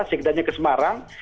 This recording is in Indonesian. segdanya ke semarang